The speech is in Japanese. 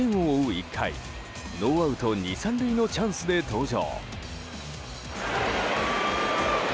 １回ノーアウト２、３塁のチャンスで登場。